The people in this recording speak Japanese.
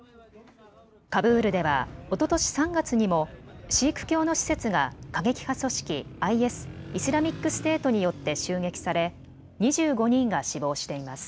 カブールではおととし３月にもシーク教の施設が過激派組織ＩＳ・イスラミック・ステートによって襲撃され２５人が死亡しています。